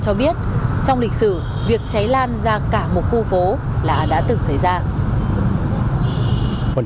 cho biết trong lịch sử việc cháy lan ra cả một khu phố là đã từng xảy ra